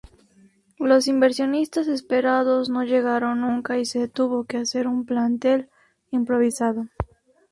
Los inversionistas esperados no llegaron nunca y se tuvo que hacer un plantel improvisado.